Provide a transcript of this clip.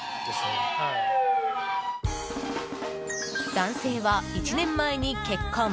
男性は１年前に結婚。